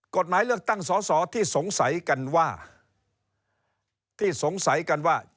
กฎหมายเลือกตั้งสสที่สงสัยกันว่า